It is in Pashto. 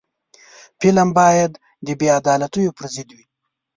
فلم باید د بې عدالتیو پر ضد وي